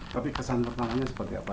tapi kesan pertamanya seperti apa